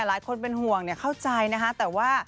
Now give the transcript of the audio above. หลายคนเป็นห่วงเนี่ยเข้าใจนะคะ